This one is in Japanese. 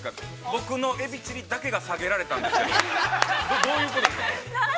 僕のエビチリだけが、下げられたんですけど、どういうことですか、これ。